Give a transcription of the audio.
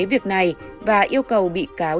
việc này và yêu cầu bị cáo